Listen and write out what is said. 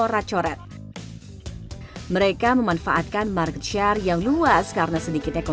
terus kita semua kebetulan waktu itu seneng sama idenya bener juga gitu